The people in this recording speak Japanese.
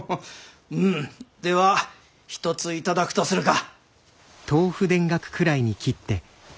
では一つ頂くとするか。